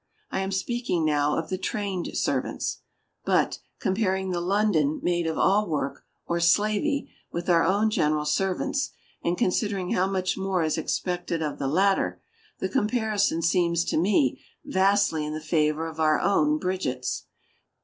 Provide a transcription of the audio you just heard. I am speaking now of the trained servants; but, comparing the London "maid of all work" or "slavey" with our own general servants, and considering how much more is expected of the latter, the comparison seems to me vastly in the favor of our own Bridgets.